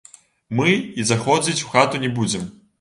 Мы і заходзіць у хату не будзем.